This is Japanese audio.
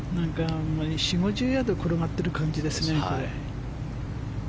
４０５０ヤード転がっている感じですね。